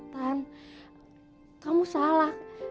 tan kamu salah